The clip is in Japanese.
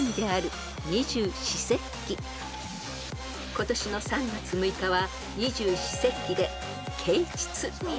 ［今年の３月６日は二十四節気で］